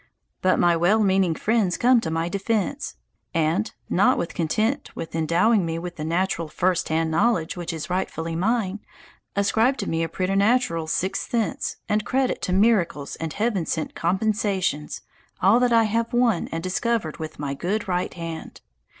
But my well meaning friends come to my defence, and, not content with endowing me with natural first hand knowledge which is rightfully mine, ascribe to me a preternatural sixth sense and credit to miracles and heaven sent compensations all that I have won and discovered with my good right hand.